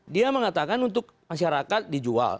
dia mengatakan untuk masyarakat dijual